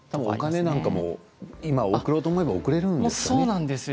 お金なんかも今送ろうと思えば送れるんですね。